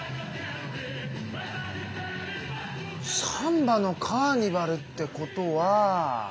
サンバのカーニバルってことは。